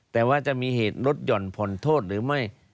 แต่ว่าจะมีเหตุลดหย่อนผ่อนโทษหรือไม่